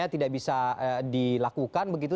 tidak bisa dilakukan begitu